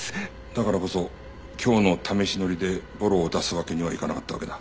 だからこそ今日の試し乗りでボロを出すわけにはいかなかったわけだ。